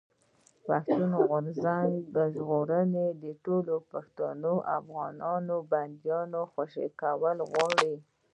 پښتون ژغورني غورځنګ د ټولو پښتنو افغانانو بنديانو خوشي کول غواړي.